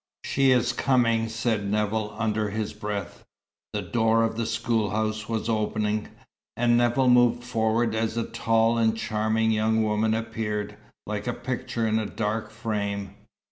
"She is coming!" said Nevill, under his breath. The door of the schoolhouse was opening, and Nevill moved forward as a tall and charming young woman appeared, like a picture in a dark frame.